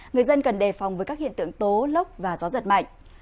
người dân cần đề phòng với các hiện tượng tố lốc và gió giật mạnh